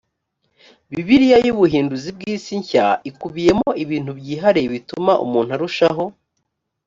bibiliya y ubuhinduzi bw isi nshya ikubiyemo ibintu byihariye bituma umuntu arushaho